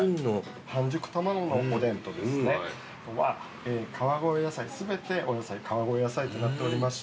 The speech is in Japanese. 半熟卵のおでんとあとは川越野菜全てお野菜川越野菜となっております。